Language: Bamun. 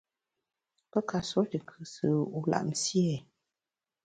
Pe nka nsuo tù kùsù wu lap nsié ?